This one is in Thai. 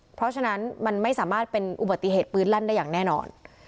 เพราะฉะนั้นมันไม่สามารถเป็นอุบัติเหตุปืนลั่นได้อย่างแน่นอน